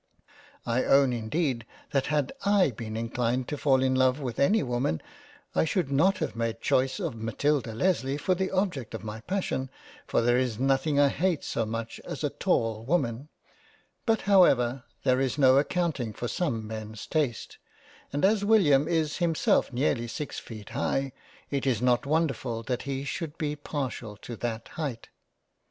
I own indeed that had / been inclined to fall in love with any woman, I should not have made choice of Matilda Lesley for the object of my passion ; for there is nothing I hate so much as a tall Woman : but however there is no accounting for some men's taste and as William is him self nearly six feet high, it is not wonderful that he should be partial to that height.